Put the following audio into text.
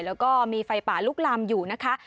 แล้วก็มีไฟป่าลุกลามอยู่นะคะ